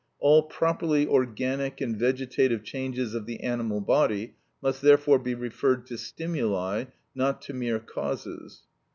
All properly organic and vegetative changes of the animal body must therefore be referred to stimuli, not to mere causes.